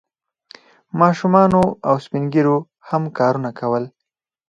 ماشومانو او سپین ږیرو هم کارونه کول.